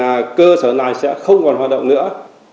là cơ sở này sẽ không còn hoạt động nữa